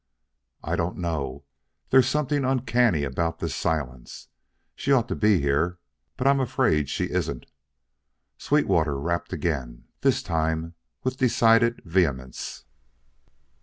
"I don't know. There's something uncanny about this silence. She ought to be here; but I'm afraid she isn't." Sweetwater rapped again, this time with decided vehemence.